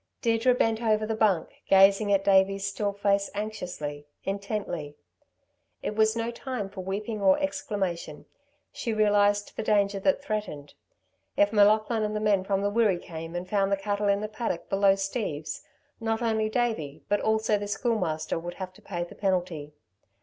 Deirdre bent over the bunk, gazing at Davey's still face anxiously, intently. It was no time for weeping or exclamation. She realised the danger that threatened. If M'Laughlin and the men from the Wirree came and found the cattle in the paddock below Steve's, not only Davey, but also the Schoolmaster would have to pay the penalty.